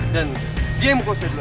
dan dia yang mukul saya dulu